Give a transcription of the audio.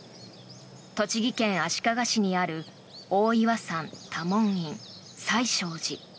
栃木県足利市にある大岩山多聞院最勝寺。